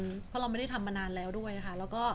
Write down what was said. เพราะเราไม่ได้ทำมานานแล้วด้วยค่ะ